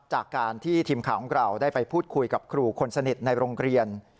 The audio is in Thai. จากการที่ทีมข่าวของเราได้ไปพูดคุยกับครูคนสนิทในโรงเรียน